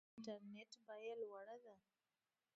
د انټرنیټ بیه لوړه ده؟